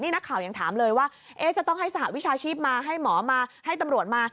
นักข่าวยังถามเลยว่าจะต้องให้สหวิชาชีพมาให้หมอมาให้ตำรวจมา